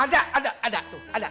ada ada ada tuh ada